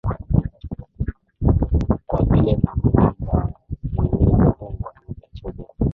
kwa vile na muomba mwenyezi mungu anipe subira